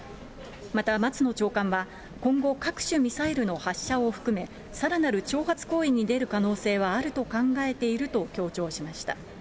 また松野長官は、今後、各種ミサイルの発射を含め、さらなる挑発行為に出る可能性はあると考えていると強調しました。